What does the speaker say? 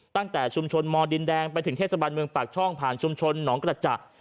ตั้งแต่ชุมชนมดินแดงไปถึงเทศบาลเมืองปากช่องผ่านชุมชนหนองกระจ่า